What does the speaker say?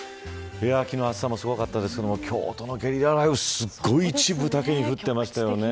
昨日、暑さもすごかったですが京都のゲリラ雷雨すごい、一部だけに降っていましたよね。